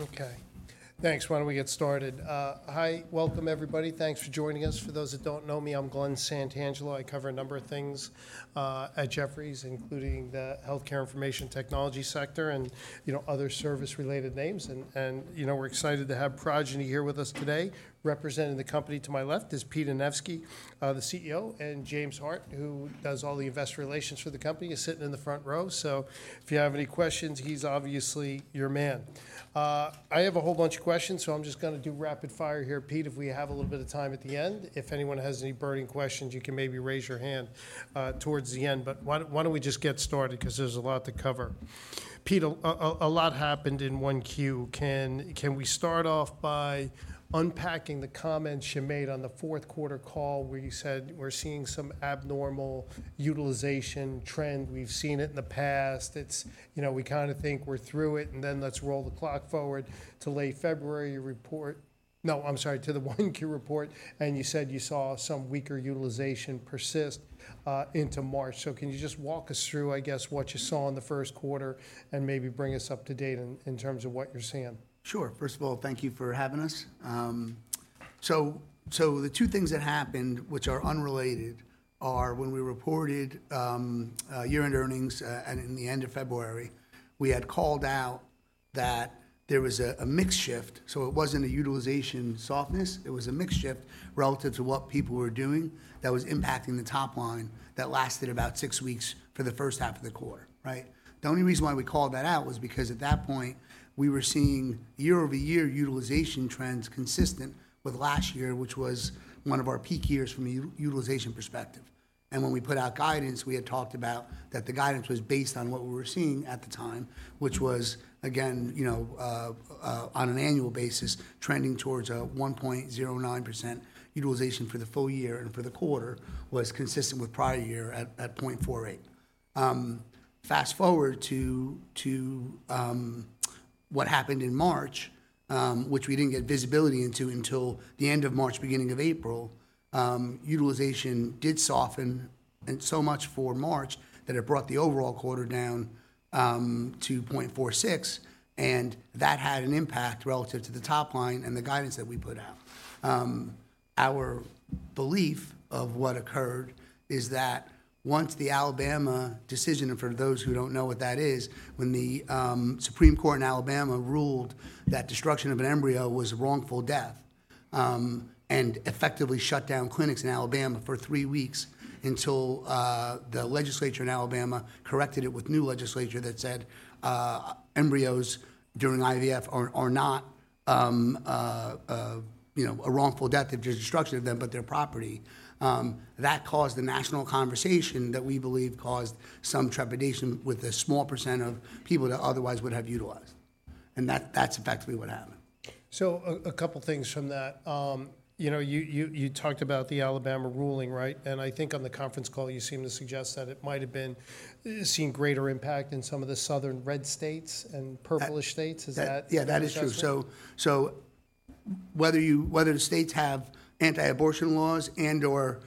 Okay, thanks. Why don't we get started? Hi, welcome everybody. Thanks for joining us. For those that don't know me, I'm Glen Santangelo. I cover a number of things at Jefferies, including the healthcare information technology sector and, you know, other service-related names. And you know, we're excited to have Progyny here with us today. Representing the company to my left is Pete Anevski, the CEO, and James Hart, who does all the investor relations for the company, is sitting in the front row. So if you have any questions, he's obviously your man. I have a whole bunch of questions, so I'm just gonna do rapid fire here. Pete, if we have a little bit of time at the end, if anyone has any burning questions, you can maybe raise your hand towards the end. But why don't we just get started, 'cause there's a lot to cover. Pete, a lot happened in 1Q. Can we start off by unpacking the comments you made on the fourth quarter call, where you said, "We're seeing some abnormal utilization trend. We've seen it in the past. It's... You know, we kinda think we're through it"? And then, let's roll the clock forward to late February report-- no, I'm sorry, to the 1Q report, and you said you saw some weaker utilization persist into March. So can you just walk us through, I guess, what you saw in the first quarter, and maybe bring us up to date in terms of what you're seeing? Sure. First of all, thank you for having us. So, the two things that happened, which are unrelated, are when we reported year-end earnings, and in the end of February, we had called out that there was a mix shift. So it wasn't a utilization softness, it was a mix shift relative to what people were doing, that was impacting the top line that lasted about six weeks for the first half of the quarter, right? The only reason why we called that out was because, at that point, we were seeing year-over-year utilization trends consistent with last year, which was one of our peak years from a utilization perspective. And when we put out guidance, we had talked about that the guidance was based on what we were seeing at the time, which was, again, you know, on an annual basis, trending towards a 1.09% utilization for the full year, and for the quarter, was consistent with prior year at 0.48%. Fast-forward to what happened in March, which we didn't get visibility into until the end of March, beginning of April, utilization did soften, and so much for March, that it brought the overall quarter down to 0.46%, and that had an impact relative to the top line and the guidance that we put out. Our belief of what occurred is that once the Alabama decision. And for those who don't know what that is, when the Supreme Court of Alabama ruled that destruction of an embryo was wrongful death, and effectively shut down clinics in Alabama for three weeks until the legislature in Alabama corrected it with new legislation that said, embryos during IVF are not a wrongful death if you're destructive of them, but they're property. That caused the national conversation that we believe caused some trepidation with a small percent of people that otherwise would have utilized, and that's effectively what happened. So, a couple things from that. You know, you talked about the Alabama ruling, right? And I think on the conference call, you seemed to suggest that it might have been seeing greater impact in some of the southern red states and purple-ish states. That- Is that- Yeah, that is true. - correct? So whether the states have anti-abortion laws and/or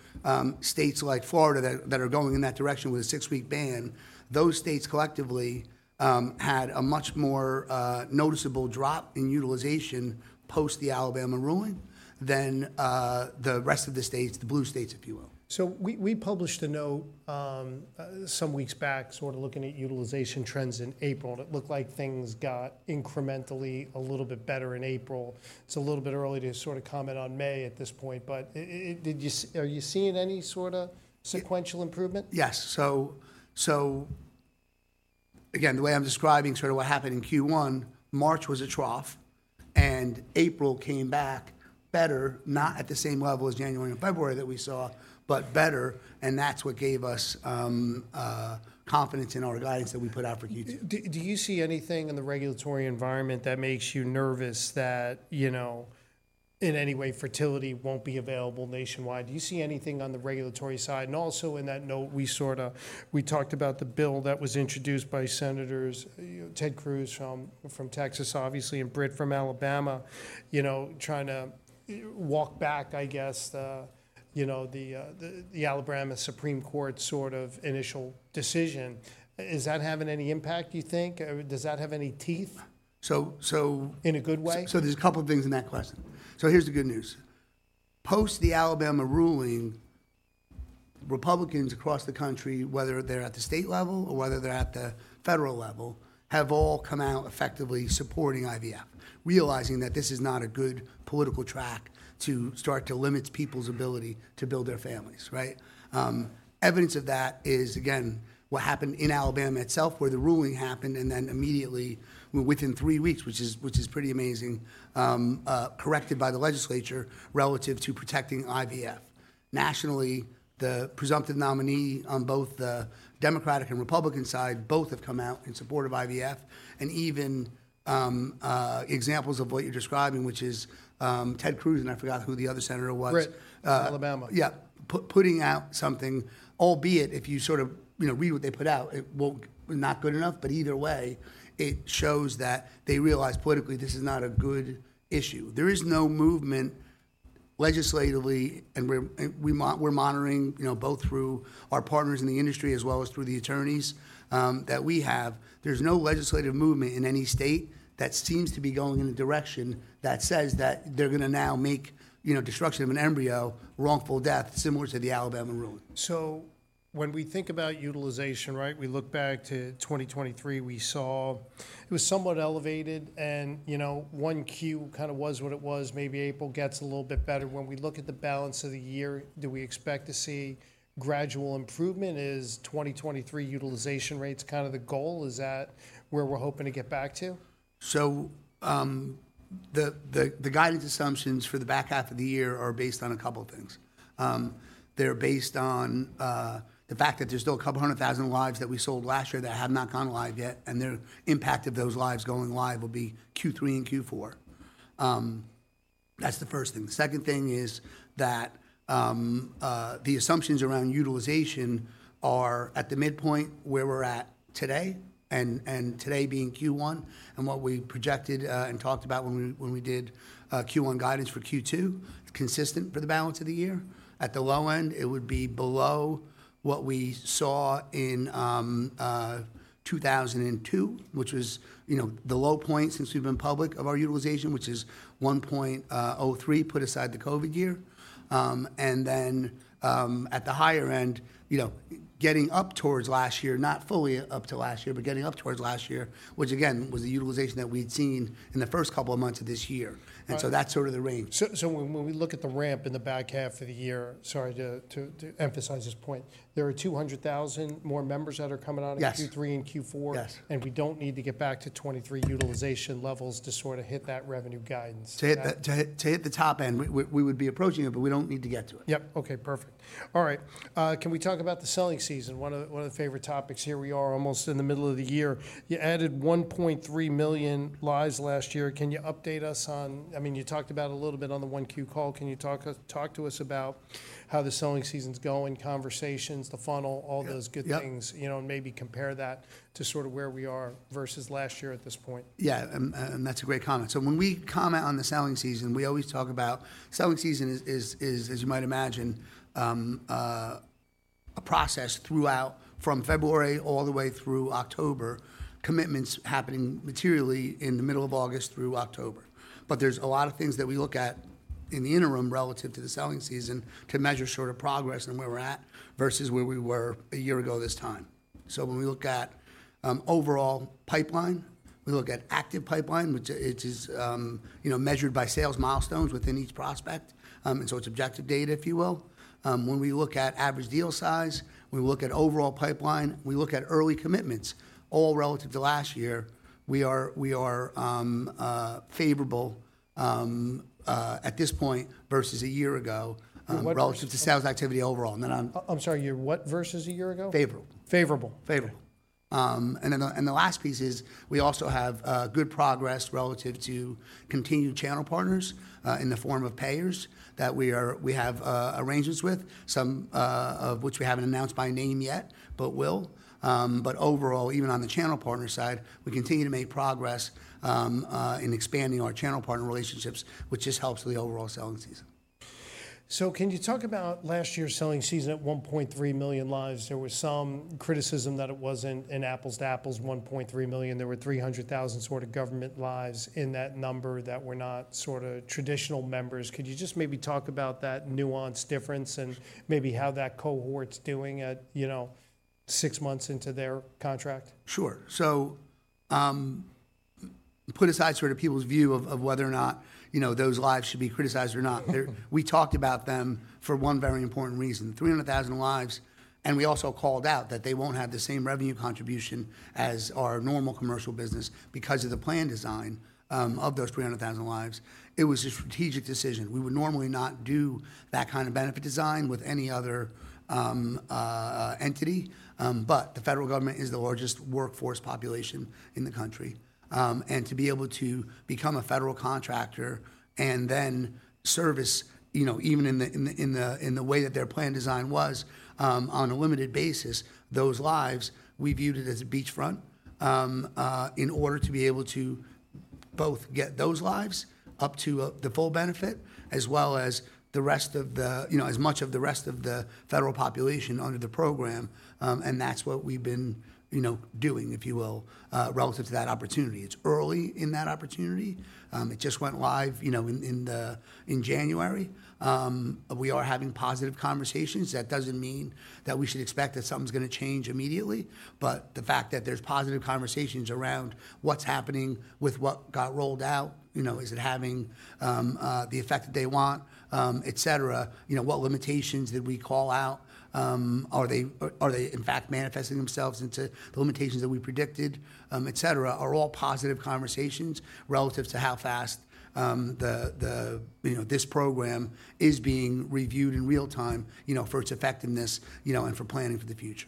states like Florida that are going in that direction with a six-week ban, those states collectively had a much more noticeable drop in utilization post the Alabama ruling than the rest of the states, the blue states, if you will. So we published a note some weeks back, sort of looking at utilization trends in April. It looked like things got incrementally a little bit better in April. It's a little bit early to sort of comment on May at this point, but are you seeing any sort of- Y- Sequential improvement? Yes. So again, the way I'm describing sort of what happened in Q1, March was a trough, and April came back better, not at the same level as January and February that we saw, but better, and that's what gave us confidence in our guidance that we put out for Q2. Do you see anything in the regulatory environment that makes you nervous that, you know, in any way, fertility won't be available nationwide? Do you see anything on the regulatory side? And also, in that note, we talked about the bill that was introduced by Senators, you know, Ted Cruz from Texas, obviously, and Britt from Alabama, you know, trying to walk back, I guess, the, you know, the Alabama Supreme Court sort of initial decision. Is that having any impact, you think, or does that have any teeth? So, so- In a good way. So there's a couple of things in that question. So here's the good news: post the Alabama ruling, Republicans across the country, whether they're at the state level or whether they're at the federal level, have all come out effectively supporting IVF, realizing that this is not a good political track to start to limit people's ability to build their families, right? Evidence of that is, again, what happened in Alabama itself, where the ruling happened, and then immediately, within three weeks, which is pretty amazing, corrected by the legislature relative to protecting IVF. Nationally, the presumptive nominee on both the Democratic and Republican side, both have come out in support of IVF, and even examples of what you're describing, which is Ted Cruz, and I forgot who the other senator was- Britt. Uh. Alabama. Yeah. Putting out something, albeit, if you sort of, you know, read what they put out, it won't... Not good enough, but either way, it shows that they realize politically, this is not a good issue. There is no movement legislatively, and we're monitoring, you know, both through our partners in the industry, as well as through the attorneys that we have. There's no legislative movement in any state that seems to be going in a direction that says that they're gonna now make, you know, destruction of an embryo wrongful death, similar to the Alabama ruling. So when we think about utilization, right? We look back to 2023, we saw it was somewhat elevated, and, you know, 1Q kind of was what it was. Maybe April gets a little bit better. When we look at the balance of the year, do we expect to see gradual improvement? Is 2023 utilization rates kind of the goal? Is that where we're hoping to get back to? So, the guidance assumptions for the back half of the year are based on a couple of things. They're based on the fact that there's still 200,000 lives that we sold last year that have not gone live yet, and the impact of those lives going live will be Q3 and Q4. That's the first thing. The second thing is that the assumptions around utilization are at the midpoint where we're at today, and today being Q1, and what we projected and talked about when we did Q1 guidance for Q2, consistent for the balance of the year. At the low end, it would be below what we saw in 2002, which was, you know, the low point since we've been public of our utilization, which is 1.03%, put aside the COVID year. And then, at the higher end, you know, getting up towards last year, not fully up to last year, but getting up towards last year, which again, was the utilization that we'd seen in the first couple of months of this year. Right. And so that's sort of the range. So when we look at the ramp in the back half of the year... Sorry, to emphasize this point, there are 200,000 more members that are coming on in- Yes Q3 and Q4. Yes. We don't need to get back to 23 utilization levels to sort of hit that revenue guidance. To hit the top end, we would be approaching it, but we don't need to get to it. Yep. Okay, perfect. All right, can we talk about the selling season? One of the favorite topics. Here we are, almost in the middle of the year. You added 1.3 million lives last year. Can you update us on... I mean, you talked about it a little bit on the 1Q call. Can you talk to us about how the selling season's going, conversations, the funnel- Yep... all those good things? Yep. You know, and maybe compare that to sort of where we are versus last year at this point. Yeah, and that's a great comment. So when we comment on the selling season, we always talk about selling season is, as you might imagine, a process throughout, from February all the way through October, commitments happening materially in the middle of August through October. But there's a lot of things that we look at in the interim relative to the selling season, to measure sort of progress and where we're at, versus where we were a year ago this time. So when we look at overall pipeline, we look at active pipeline, which it is, you know, measured by sales milestones within each prospect. And so it's objective data, if you will. When we look at average deal size, we look at overall pipeline, we look at early commitments, all relative to last year. We are favorable at this point, versus a year ago- You're what versus- relative to sales activity overall, and then I'm- I'm sorry, you're what versus a year ago? Favorable. Favorable. Favorable. And then the last piece is, we also have good progress relative to continued channel partners in the form of payers that we have arrangements with, some of which we haven't announced by name yet, but will. But overall, even on the channel partner side, we continue to make progress in expanding our channel partner relationships, which just helps with the overall selling season. So can you talk about last year's selling season at 1.3 million lives? There was some criticism that it wasn't an apples to apples, 1.3 million. There were 300,000 sort of government lives in that number that were not sort of traditional members. Could you just maybe talk about that nuance difference, and maybe how that cohort's doing at, you know, six months into their contract? Sure. So, put aside sort of people's view of, of whether or not, you know, those lives should be criticized or not. We talked about them for one very important reason, 300,000 lives, and we also called out that they won't have the same revenue contribution as our normal commercial business because of the plan design, of those 300,000 lives. It was a strategic decision. We would normally not do that kind of benefit design with any other, entity, but the federal government is the largest workforce population in the country. And to be able to become a federal contractor and then service, you know, even in the way that their plan design was, on a limited basis, those lives, we viewed it as a beachhead. In order to be able to both get those lives up to the full benefit, as well as the rest of the, you know, as much of the rest of the federal population under the program. And that's what we've been, you know, doing, if you will, relative to that opportunity. It's early in that opportunity. It just went live, you know, in January. We are having positive conversations. That doesn't mean that we should expect that something's gonna change immediately, but the fact that there's positive conversations around what's happening with what got rolled out, you know, is it having the effect that they want, et cetera? You know, what limitations did we call out? Are they in fact manifesting themselves into the limitations that we predicted, et cetera, are all positive conversations relative to how fast, you know, this program is being reviewed in real time, you know, for its effectiveness, you know, and for planning for the future.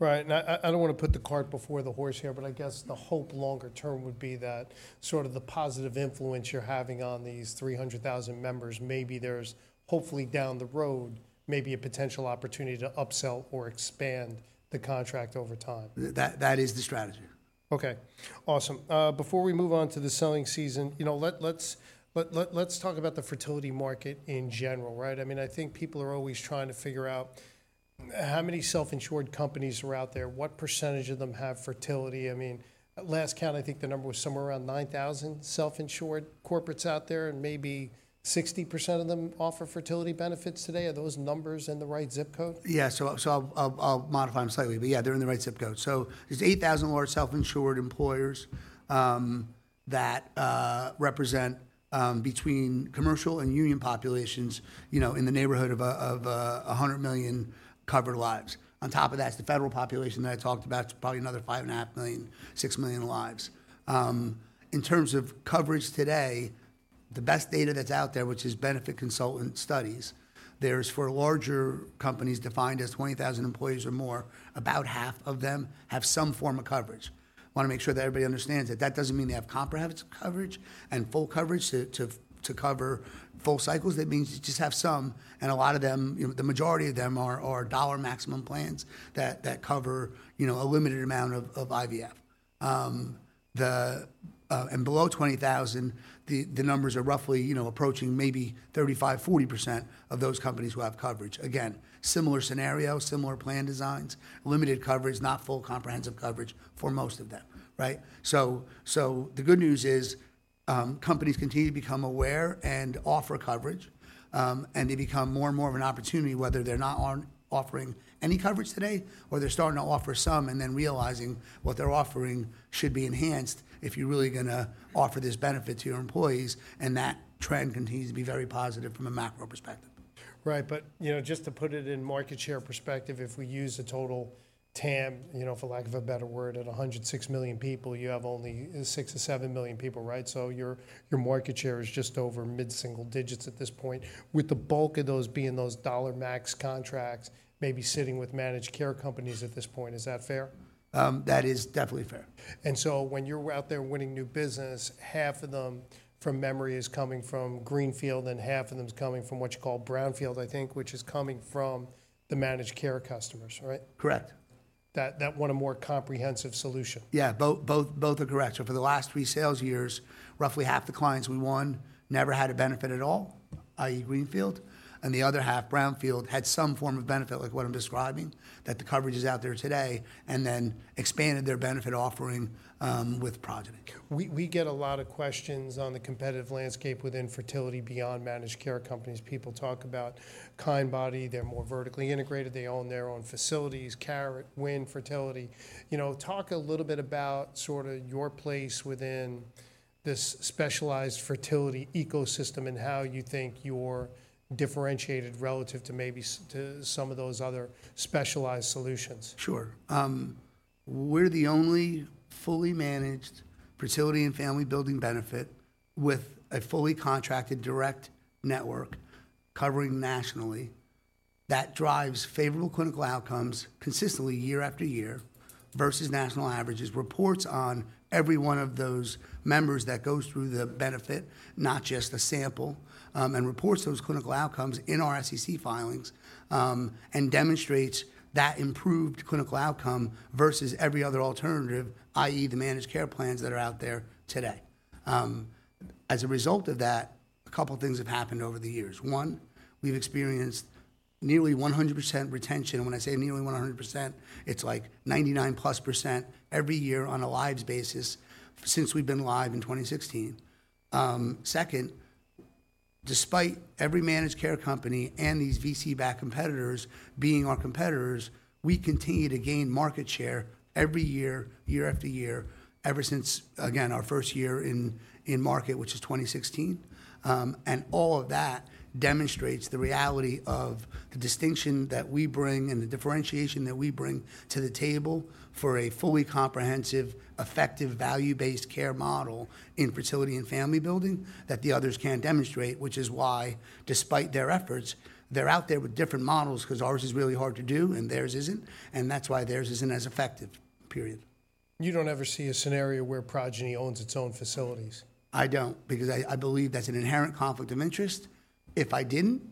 Right. And I, I don't wanna put the cart before the horse here, but I guess the hope longer term would be that sort of the positive influence you're having on these 300,000 members, maybe there's hopefully down the road, maybe a potential opportunity to upsell or expand the contract over time. That is the strategy. Okay, awesome. Before we move on to the selling season, you know, let's talk about the fertility market in general, right? I mean, I think people are always trying to figure out how many self-insured companies are out there, what percentage of them have fertility? I mean, at last count, I think the number was somewhere around 9,000 self-insured corporates out there, and maybe 60% of them offer fertility benefits today. Are those numbers in the right zip code? Yeah, so I'll modify them slightly, but yeah, they're in the right zip code. So there's 8,000 large self-insured employers that represent between commercial and union populations, you know, in the neighborhood of 100 million covered lives. On top of that, the federal population that I talked about is probably another 5.5 million, 6 million lives. In terms of coverage today, the best data that's out there, which is benefit consultant studies, there's for larger companies, defined as 20,000 employees or more, about half of them have some form of coverage. Wanna make sure that everybody understands that that doesn't mean they have comprehensive coverage and full coverage to cover full cycles. That means you just have some, and a lot of them, you know, the majority of them are dollar maximum plans that cover, you know, a limited amount of IVF. And below 20,000, the numbers are roughly, you know, approaching maybe 35%-40% of those companies who have coverage. Again, similar scenario, similar plan designs, limited coverage, not full comprehensive coverage for most of them, right? So the good news is, companies continue to become aware and offer coverage, and they become more and more of an opportunity, whether they're not offering any coverage today, or they're starting to offer some and then realizing what they're offering should be enhanced if you're really gonna offer this benefit to your employees. And that trend continues to be very positive from a macro perspective. Right. But, you know, just to put it in market share perspective, if we use the total TAM, you know, for lack of a better word, at 106 million people, you have only 6-7 million people, right? So your market share is just over mid-single digits at this point, with the bulk of those being those dollar Max contracts, maybe sitting with managed care companies at this point. Is that fair? That is definitely fair. And so when you're out there winning new business, half of them, from memory, is coming from greenfield, and half of them is coming from what you call brownfield, I think, which is coming from the managed care customers, right? Correct. That want a more comprehensive solution. Yeah, both, both, both are correct. So for the last three sales years, roughly half the clients we won never had a benefit at all, i.e., greenfield, and the other half, brownfield, had some form of benefit, like what I'm describing, that the coverage is out there today, and then expanded their benefit offering with Progyny. We get a lot of questions on the competitive landscape within fertility, beyond managed care companies. People talk about Kindbody, they're more vertically integrated. They own their own facilities, Carrot, WINfertility. You know, talk a little bit about sort of your place within this specialized fertility ecosystem and how you think you're differentiated relative to maybe to some of those other specialized solutions. Sure. We're the only fully managed fertility and family building benefit with a fully contracted direct network covering nationally, that drives favorable clinical outcomes consistently year after year versus national averages. Reports on every one of those members that goes through the benefit, not just a sample, and reports those clinical outcomes in our SEC filings, and demonstrates that improved clinical outcome versus every other alternative, i.e., the managed care plans that are out there today. As a result of that, a couple things have happened over the years. One, we've experienced nearly 100% retention, and when I say nearly 100%, it's like 99+% every year on a lives basis since we've been live in 2016. Second, despite every managed care company and these VC-backed competitors being our competitors, we continue to gain market share every year, year after year, ever since, again, our first year in market, which is 2016. And all of that demonstrates the reality of the distinction that we bring and the differentiation that we bring to the table for a fully comprehensive, effective, value-based care model in fertility and family building that the others can't demonstrate, which is why, despite their efforts, they're out there with different models, 'cause ours is really hard to do, and theirs isn't, and that's why theirs isn't as effective, period. You don't ever see a scenario where Progyny owns its own facilities? I don't, because I believe that's an inherent conflict of interest. If I didn't,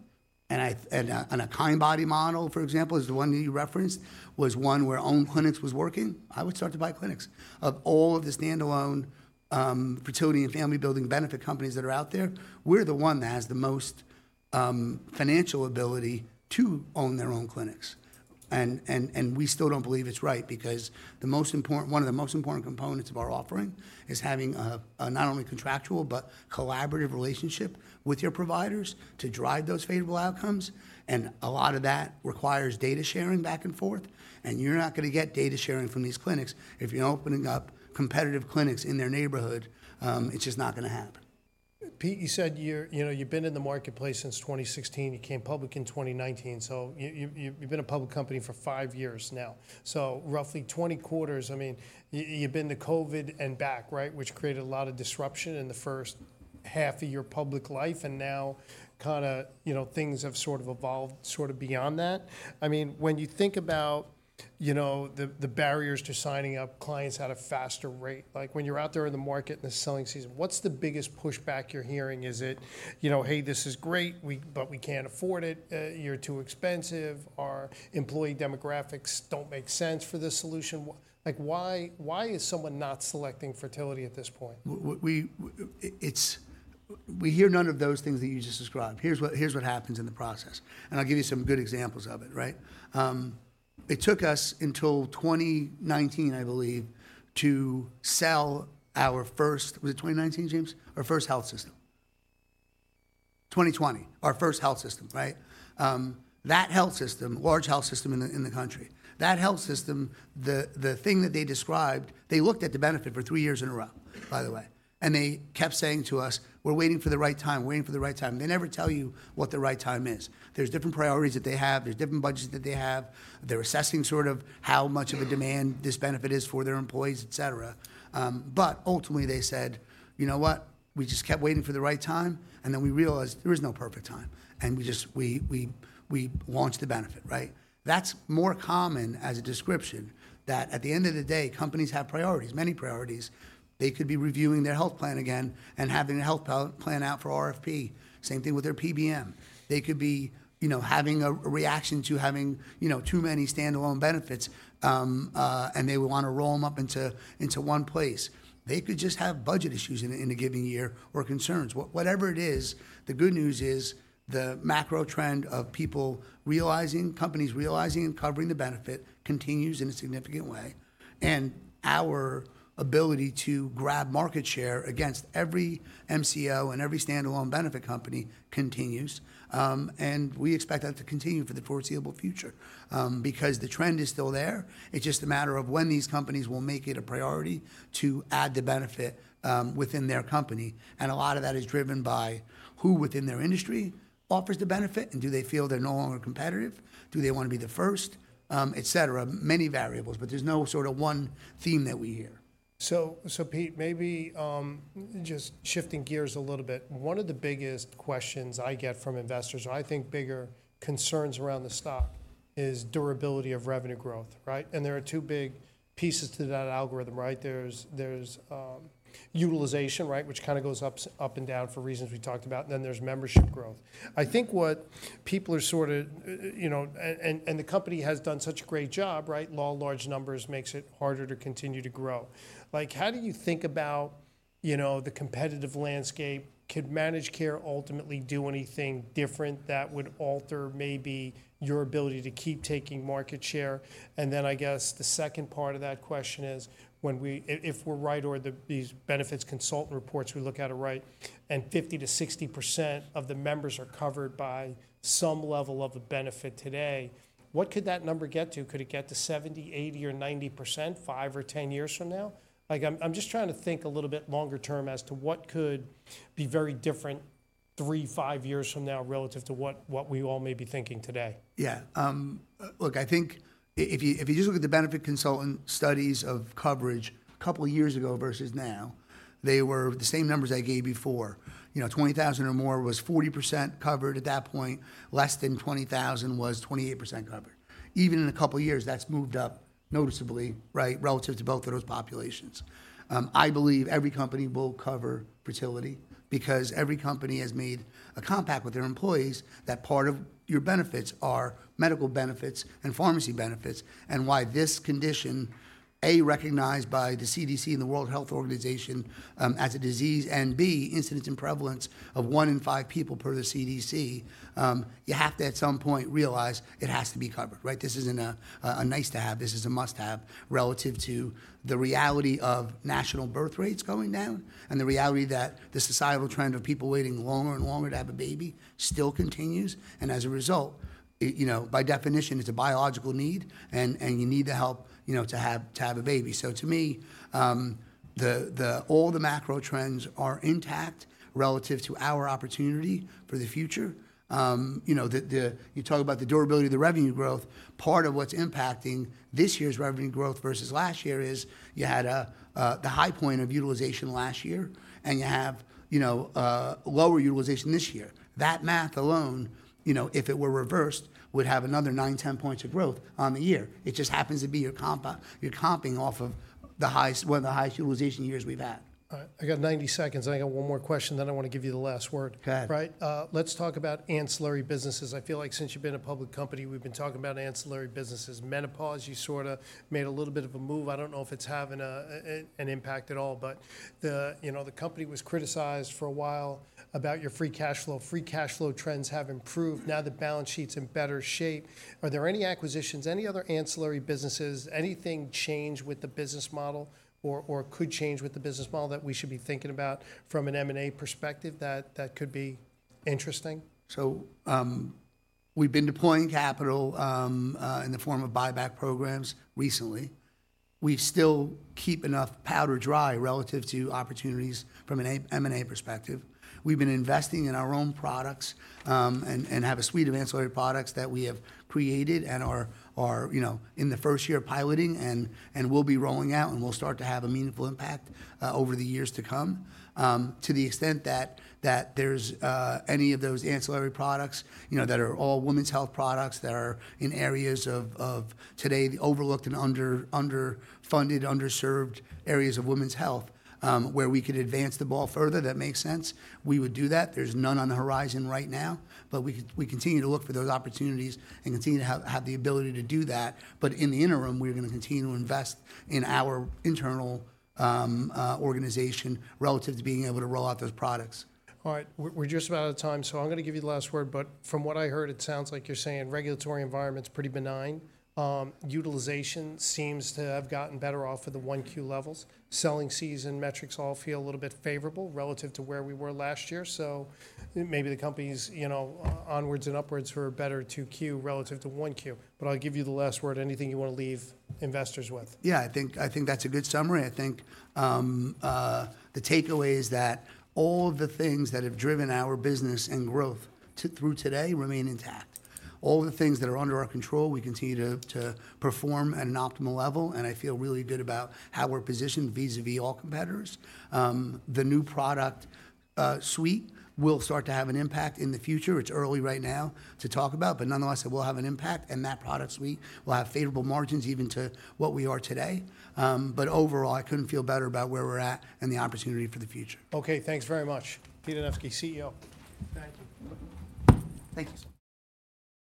and a Kindbody model, for example, is the one that you referenced, was one where owning clinics was working, I would start to buy clinics. Of all of the standalone fertility and family building benefit companies that are out there, we're the one that has the most financial ability to own their own clinics. And we still don't believe it's right because one of the most important components of our offering is having a not only contractual but collaborative relationship with your providers to drive those favorable outcomes, and a lot of that requires data sharing back and forth, and you're not gonna get data sharing from these clinics if you're opening up competitive clinics in their neighborhood. It's just not gonna happen. Pete, you said you're, you know, you've been in the marketplace since 2016. You came public in 2019, so you've been a public company for five years now. So roughly 20 quarters, I mean, you've been to COVID and back, right? Which created a lot of disruption in the first half of your public life, and now kind of, you know, things have sort of evolved sort of beyond that. I mean, when you think about, you know, the barriers to signing up clients at a faster rate, like when you're out there in the market in the selling season, what's the biggest pushback you're hearing? Is it, you know, "Hey, this is great. We but we can't afford it," "You're too expensive," "Our employee demographics don't make sense for this solution"? like, why, why is someone not selecting fertility at this point? We hear none of those things that you just described. Here's what happens in the process, and I'll give you some good examples of it, right? It took us until 2019, I believe, to sell our first. Was it 2019, James? Our first health system. 2020, our first health system, right? That health system, large health system in the country. That health system, the thing that they described, they looked at the benefit for three years in a row, by the way, and they kept saying to us, "We're waiting for the right time. We're waiting for the right time." They never tell you what the right time is. There's different priorities that they have, there's different budgets that they have. They're assessing sort of how much of a demand this benefit is for their employees, et cetera. But ultimately they said, "You know what? We just kept waiting for the right time, and then we realized there is no perfect time, and we just launched the benefit," right? That's more common as a description, that at the end of the day, companies have priorities, many priorities. They could be reviewing their health plan again and having a health plan out for RFP. Same thing with their PBM. They could be, you know, having a reaction to having, you know, too many standalone benefits, and they would want to roll them up into one place. They could just have budget issues in a given year or concerns. Whatever it is, the good news is the macro trend of people realizing, companies realizing and covering the benefit continues in a significant way, and our ability to grab market share against every MCO and every standalone benefit company continues. We expect that to continue for the foreseeable future, because the trend is still there. It's just a matter of when these companies will make it a priority to add the benefit, within their company, and a lot of that is driven by who within their industry offers the benefit, and do they feel they're no longer competitive? Do they want to be the first? Et cetera. Many variables, but there's no sort of one theme that we hear. Pete, maybe just shifting gears a little bit. One of the biggest questions I get from investors, or I think bigger concerns around the stock, is durability of revenue growth, right? And there are two big pieces to that algorithm, right? There's utilization, right, which kind of goes up and down for reasons we talked about, and then there's membership growth. I think what people are sort of, you know... And the company has done such a great job, right? Law of large numbers makes it harder to continue to grow. Like, how do you think about, you know, the competitive landscape? Could managed care ultimately do anything different that would alter maybe your ability to keep taking market share? And then I guess the second part of that question is, when we—if, if we're right or the, these benefits consultant reports we look at are right, and 50%-60% of the members are covered by some level of a benefit today, what could that number get to? Could it get to 70%, 80%, or 90%, five or 10 years from now? Like, I'm, I'm just trying to think a little bit longer term as to what could be very different three, five years from now, relative to what, what we all may be thinking today. Yeah. Uh, look, I think if you, if you just look at the benefit consultant studies of coverage a couple of years ago versus now, they were the same numbers I gave before. You know, 20,000 or more was 40% covered at that point. Less than 20,000 was 28% covered. Even in a couple of years, that's moved up noticeably, right? Relative to both of those populations. I believe every company will cover fertility because every company has made a compact with their employees that part of your benefits are medical benefits and pharmacy benefits, and why this condition, A, recognized by the CDC and the World Health Organization, as a disease, and B, incidence and prevalence of one in five people per the CDC, you have to at some point realize it has to be covered, right? This isn't a nice-to-have, this is a must-have relative to the reality of national birth rates going down and the reality that the societal trend of people waiting longer and longer to have a baby still continues. And as a result, you know, by definition, it's a biological need, and you need the help, you know, to have a baby. So to me, all the macro trends are intact relative to our opportunity for the future. You know, you talk about the durability of the revenue growth. Part of what's impacting this year's revenue growth versus last year is you had the high point of utilization last year, and you have, you know, lower utilization this year. That math alone, you know, if it were reversed, would have another 9-10 points of growth on the year. It just happens to be you're comping off of the highest, one of the highest utilization years we've had. All right. I got 90 seconds, and I got one more question, then I want to give you the last word. Go ahead. Right. Let's talk about ancillary businesses. I feel like since you've been a public company, we've been talking about ancillary businesses. Menopause, you sorta made a little bit of a move. I don't know if it's having an impact at all, but the, you know, the company was criticized for a while about your free cash flow. Free cash flow trends have improved. Now, the balance sheet's in better shape. Are there any acquisitions, any other ancillary businesses, anything change with the business model or could change with the business model that we should be thinking about from an M&A perspective that could be interesting? We've been deploying capital in the form of buyback programs recently. We still keep enough powder dry relative to opportunities from an M&A perspective. We've been investing in our own products and have a suite of ancillary products that we have created and are you know in the first year of piloting and we'll be rolling out, and we'll start to have a meaningful impact over the years to come. To the extent that there's any of those ancillary products, you know, that are all women's health products that are in areas of today, the overlooked and underfunded, underserved areas of women's health, where we could advance the ball further, that makes sense. We would do that. There's none on the horizon right now, but we continue to look for those opportunities and continue to have the ability to do that. But in the interim, we're gonna continue to invest in our internal organization relative to being able to roll out those products. All right. We're just about out of time, so I'm gonna give you the last word. But from what I heard, it sounds like you're saying regulatory environment's pretty benign. Utilization seems to have gotten better off of the 1Q levels. Selling season metrics all feel a little bit favorable relative to where we were last year, so maybe the company's, you know, onwards and upwards for a better 2Q relative to 1Q. But I'll give you the last word. Anything you want to leave investors with? Yeah, I think, I think that's a good summary. I think, the takeaway is that all the things that have driven our business and growth through today remain intact. All the things that are under our control, we continue to perform at an optimal level, and I feel really good about how we're positioned vis-à-vis all competitors. The new product suite will start to have an impact in the future. It's early right now to talk about, but nonetheless, it will have an impact, and that product suite will have favorable margins even to what we are today. But overall, I couldn't feel better about where we're at and the opportunity for the future. Okay, thanks very much. Pete Anevski, CEO. Thank you. Thank you so much.